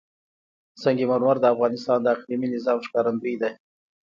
سنگ مرمر د افغانستان د اقلیمي نظام ښکارندوی ده.